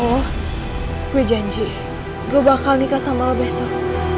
ya udah kalau misalkan itu mau lo gue janji gue bakal nikah sama lo besok